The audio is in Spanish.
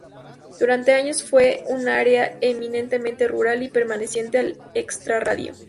Durante años fue un área eminentemente rural y perteneciente al extrarradio.